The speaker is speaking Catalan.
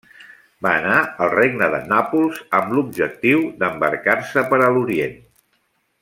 Va anar al regne de Nàpols amb l'objectiu d'embarcar-se per a l'Orient.